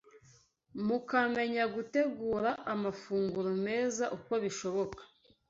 mukamenya gutegura amafunguro meza uko bishoboka